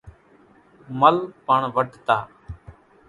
مل پڻ وڍتا۔